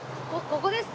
ここです。